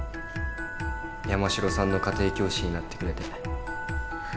山城さんの家庭教師になってくれて。